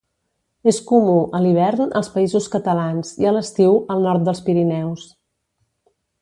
És comú, a l'hivern, als Països Catalans, i a l'estiu, al nord dels Pirineus.